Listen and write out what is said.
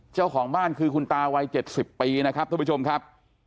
เจ้าของบ้านคือคุณตาวัย๗๐ปีนะครับทุกผู้ชมครับ